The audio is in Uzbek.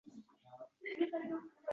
gilos ifori qilib